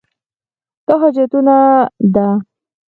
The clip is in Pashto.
دا حاجتونه ده.